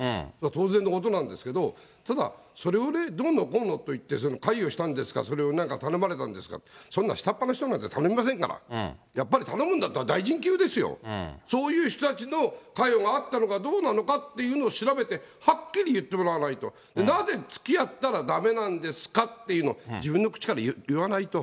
当然のことなんですけど、ただ、それをどうのこうのって言って、関与したんですか、頼まれたんですかって、そんな下っ端の人に頼みませんから、やっぱり頼むんだったら大臣級ですよ、そういう人たちの関与があったのかどうかを調べて、はっきり言ってもらわないと、なぜつきあったらだめなんですかっていうのを、自分の口から言わないと。